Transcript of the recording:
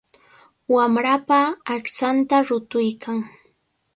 Wamrapa aqchanta rutuykan.